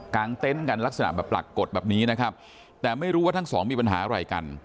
งเต็นต์กันลักษณะแบบปรากฏแบบนี้นะครับแต่ไม่รู้ว่าทั้งสองมีปัญหาอะไรกัน